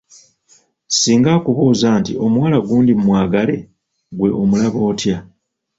Singa akubuuza nti omuwala gundi mmwagale; ggwe omulaba otya?